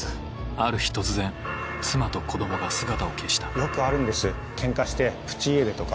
ある日突然妻と子供が姿を消したよくあるんですケンカしてプチ家出とか。